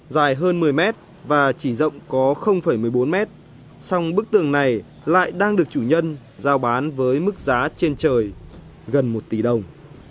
dài hơn một mươi mét và chỉ rộng có một mươi bốn mét song bức tường này lại đang được chủ nhân giao bán với mức giá trên trời gần một tỷ đồng